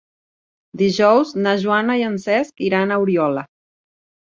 Dijous na Joana i en Cesc iran a Oriola.